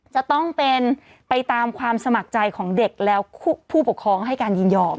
จะต้องเป็นไปตามความสมัครใจของเด็กแล้วผู้ปกครองให้การยินยอม